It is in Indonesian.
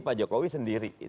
pak jokowi sendiri